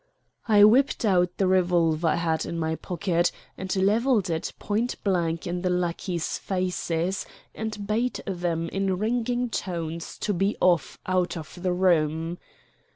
I whipped out the revolver I had in my pocket and levelled it point blank in the lackeys' faces and bade them in ringing tones to be off out of the room.